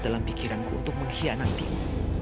dalam pikiranku untuk mengkhianatimu